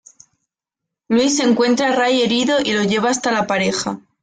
Louis encuentra a Ray herido y lo lleva hasta la pareja.